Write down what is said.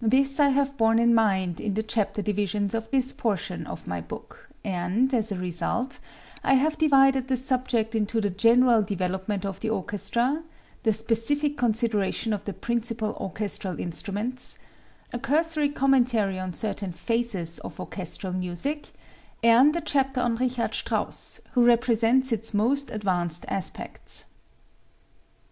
This I have borne in mind in the chapter divisions of this portion of my book, and, as a result, I have divided the subject into the general development of the orchestra, the specific consideration of the principal orchestral instruments, a cursory commentary on certain phases of orchestral music and a chapter on Richard Strauss who represents its most advanced aspects.